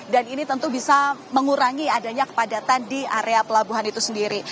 dan ini tentu bisa mengurangi adanya kepadatan di area pelabuhan itu sendiri